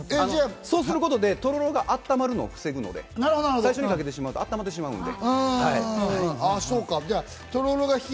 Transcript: そうすることで、とろろがあったまるのを防ぐので、最初にかけてしまうと、温まってしまうので。